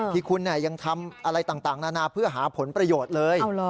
ที่คุณยังทำอะไรต่างนานาเพื่อหาผลประโยชน์เลย